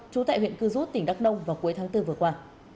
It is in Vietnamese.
trú tại huyện cư rút tỉnh đắk nông vào cuối tháng bốn vừa qua